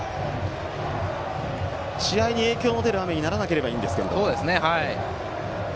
試合に影響の出る雨にならなければいいんですが。